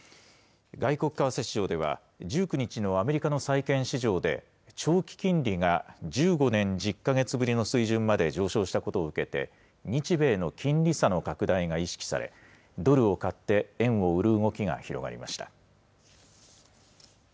外国為替市場では、１９日のアメリカの債券市場で、長期金利が１５年１０か月ぶりの水準まで上昇したことを受けて、日米の金利差の拡大が意識され、ドルを買って円を売る動きが広がりました。